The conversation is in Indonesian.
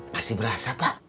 masih berasa pak